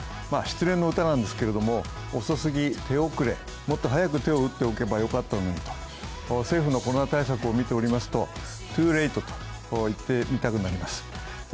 まあ失恋の歌なんですけれども、遅すぎ、手遅れ、もっと早くテを打っておけばよかったのにと、政府のコロナ対策を見ておりますと、ＴｏｏＬａｔｅと言ってみたくなります。